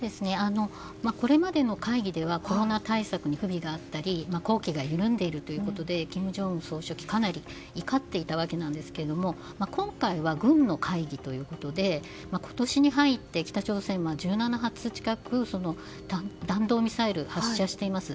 これまでの会議ではコロナ対策に不備があったり緩んでいるということで金正恩総書記かなり怒っていたわけですが今回、軍の会議ということで北朝鮮は１７発近く弾道ミサイル発射しています。